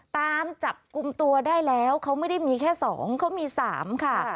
ตามจับกลุ่มตัวได้แล้วเขาไม่ได้มีแค่๒เขามี๓ค่ะ